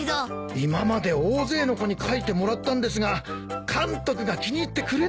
今まで大勢の子に書いてもらったんですが監督が気に入ってくれなくて。